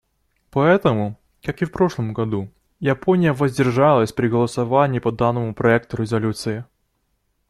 Поэтому, как и в прошлом году, Япония воздержалась при голосовании по данному проекту резолюции.